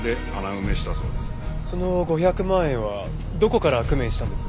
その５００万円はどこから工面したんです？